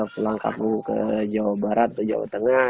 pulang kampung ke jawa barat ke jawa tengah